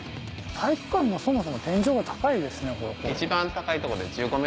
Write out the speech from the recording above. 体育館のそもそも天井が高いですね。